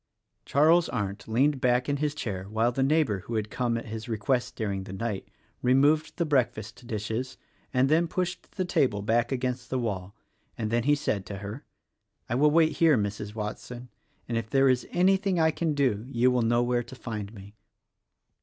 Charles Arndt leaned back in his chair while the neigh bor who had come, at his request during the night, removed the breakfast dishes and then pushed the table back against the wall; and then he said to her, "I will wait here, Mrs. Watson, and if there is anything I can do you will know where to find me."